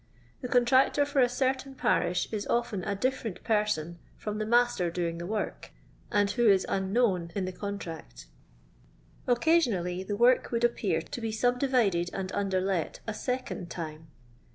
The contractor for a certain parish is often a different person firom the master doing the work, who is unknown in the contract. Occasionally the work would ap pear to be subdivided and underlet a second time.